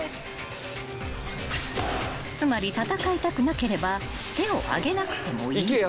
［つまり戦いたくなければ手を挙げなくてもいい］